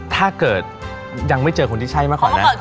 ถ้าเกิดยังไม่เจอคนที่ใช่มาก่อนนะ